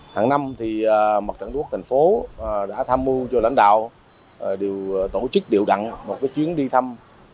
hằng năm mặt trận tổ quốc thành phố đã tham mưu cho lãnh đạo tổ chức điệu đặn một chuyến đi thăm